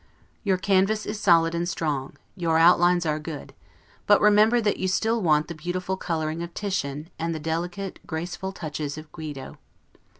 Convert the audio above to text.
Your canvas is solid and strong, your outlines are good; but remember that you still want the beautiful coloring of Titian, and the delicate, graceful touches of Guido.